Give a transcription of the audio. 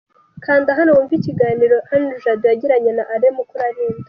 Kanda hano wumve ikiganiro Henri Jado yagiranye na Alain Mukurarinda.